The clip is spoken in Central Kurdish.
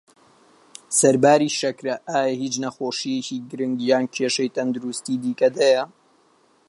سەرباری شەکره، ئایا هیچ نەخۆشیەکی گرنگ یان کێشەی تەندروستی دیکەت هەیە؟